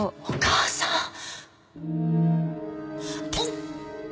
お母さん！